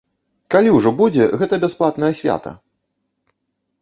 Калі ўжо будзе гэта бясплатнае свята?